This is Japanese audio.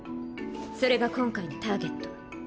それが今回のターゲット。